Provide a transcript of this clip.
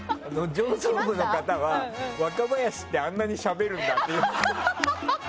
上層部の方は、若林ってあんなにしゃべるんだって。